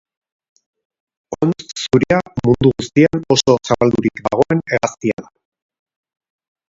Hontz zuria mundu guztian oso zabaldurik dagoen hegaztia da.